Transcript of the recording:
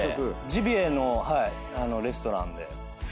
ジビエのレストランで。